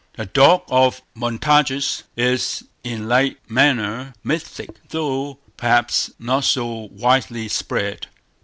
"The Dog of Montargis" is in like manner mythic, though perhaps not so widely spread.